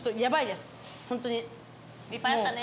いっぱいあったね。